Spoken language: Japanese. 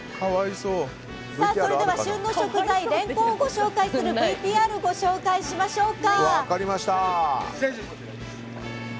それでは、旬の食材レンコンをご紹介するＶＴＲをご紹介しましょうか。